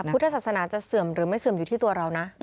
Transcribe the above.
พุทธศาสนาจะเสื่อมหรือไม่เสื่อมอยู่ที่ตัวเรานะ